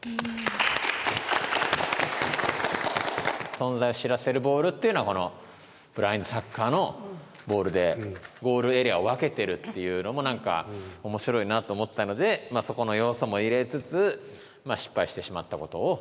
「存在を知らせる球」っていうのはこのブラインドサッカーのボールでゴールエリアを分けてるっていうのも何か面白いなと思ったのでそこの要素も入れつつ失敗してしまったことを。